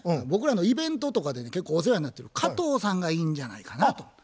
僕らのイベントとかで結構お世話になってる加藤さんがいいんじゃないかなと。